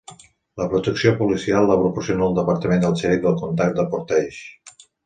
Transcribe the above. La protecció policial la proporciona el departament del xerif del comtat de Portage.